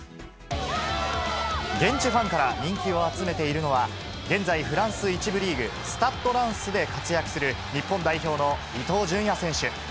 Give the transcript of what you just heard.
現地ファンから人気を集めているのは、現在、フランス１部リーグ、スタッド・ランスで活躍する日本代表の伊東純也選手。